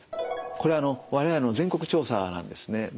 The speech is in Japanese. これは我々の全国調査なんですね。